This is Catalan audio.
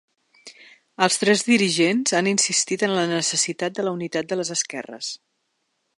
Els tres dirigents han insistit en la necessitat de la unitat de les esquerres.